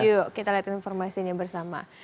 yuk kita lihat informasinya bersama